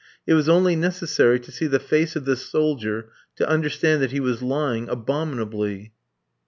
It was only necessary to see the face of this soldier to understand that he was lying abominably.